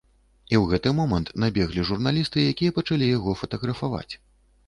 І ў гэты момант набеглі журналісты, якія пачалі яго фатаграфаваць.